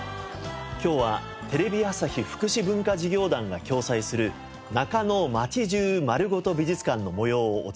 今日はテレビ朝日福祉文化事業団が共催する「ＮＡＫＡＮＯ街中まるごと美術館！」の模様をお伝えします。